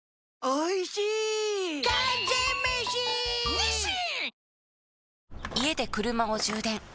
ニッシン！